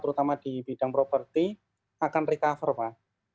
terutama di bidang properti akan recover pak